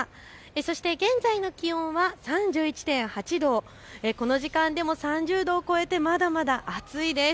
そして現在の気温は３１．８度、この時間でも３０度を超えてまだまだ暑いです。